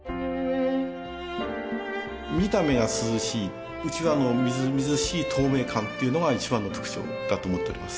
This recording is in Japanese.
見た目が涼しいうちわのみずみずしい透明感っていうのが一番の特徴だと思っております